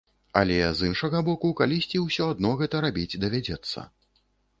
Але, з іншага боку, калісьці ўсё адно гэта рабіць давядзецца.